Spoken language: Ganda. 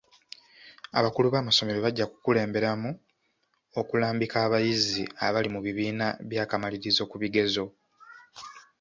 Abakulu b'amasomero bajja kukulemberamu okulambika abayizi abali mu bibiina by'akamaliririzo ku bigezo.